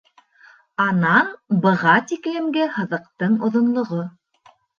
А-нан В-ға тиклемге һыҙыҡтың оҙонлоғо